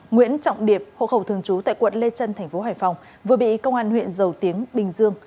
nguyễn trọng điệp hộ khẩu thường trú tại quận lê trân thành phố hải phòng vừa bị công an huyện dầu tiếng bình dương